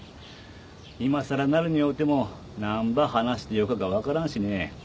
いまさらなるに会うてもなんば話してよかか分からんしね。